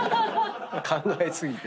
考え過ぎて。